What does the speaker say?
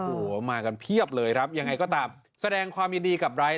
โอ้โหมากันเพียบเลยครับยังไงก็ตามแสดงความยินดีกับไร้